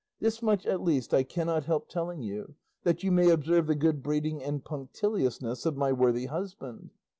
This much at least I cannot help telling you, that you may observe the good breeding and punctiliousness of my worthy husband.